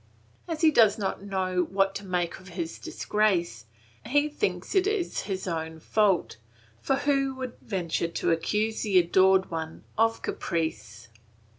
As he does not know what to make of his disgrace, he thinks it is his own fault; for who would venture to accuse the adored one of caprice.